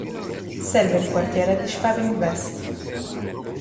Serve il quartiere di Schwabing-West.